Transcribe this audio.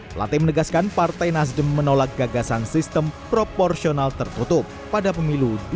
blatte menegaskan partai nasdem menolak gagasan sistem proporsional tertutup pada pemilu dua ribu dua puluh empat